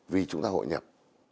vì chúng ta hội nhập